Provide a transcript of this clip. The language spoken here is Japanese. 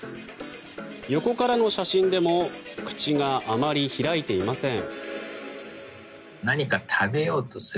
横からの写真でも口があまり開いていません。